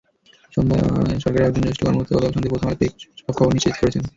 সরকারের একজন জ্যেষ্ঠ কর্মকর্তা গতকাল সন্ধ্যায় প্রথম আলোকে এসব তথ্য নিশ্চিত করেছেন।